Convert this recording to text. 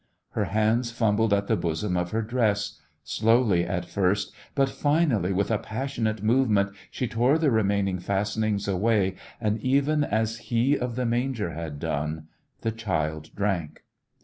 Her hands fiunbled at the bosom of her dress, slowly at first, but finally, with a passionate move ment, she tore the remaining fasten ings away, and even as He of the manger had done, the child drank.